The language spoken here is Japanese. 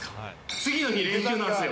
次の日、練習なんですよ。